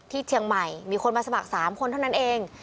ที่เชียงใหม่มีคนมาสมัคร๓คนเท่านั้นเอง